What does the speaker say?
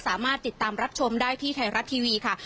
สามารถติดตามรับชมได้ที่ไทยรัฐทีวีค่ะ